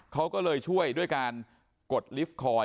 เขาก็เลยช่วยด้วยการกดลิฟต์คอย